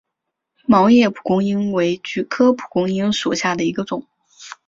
毛叶蒲公英为菊科蒲公英属下的一个种。